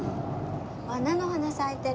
菜の花咲いてる。